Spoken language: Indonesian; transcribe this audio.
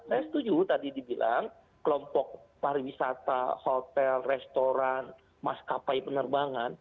saya setuju tadi dibilang kelompok pariwisata hotel restoran maskapai penerbangan